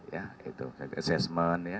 ya itu assessment ya